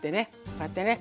こうやってね。